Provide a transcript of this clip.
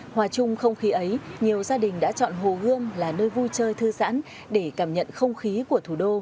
hòa chung không khí ấy nhiều gia đình đã chọn hồ gươm là nơi vui chơi thư giãn để cảm nhận không khí của thủ đô